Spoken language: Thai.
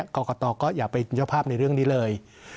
กรกตก็อย่าไปเจ้าภาพในเรื่องนี้เลย